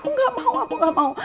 enggak aku gak mau